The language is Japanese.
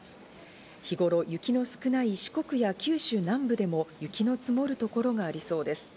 日頃、雪の少ない四国や九州南部でも雪の積もる所がありそうです。